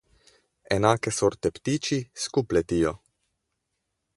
Enake sorte ptiči skup letijo.